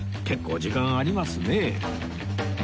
結構時間ありますね